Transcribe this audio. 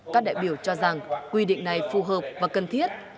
các đại biểu cho rằng quy định này phù hợp và cần thiết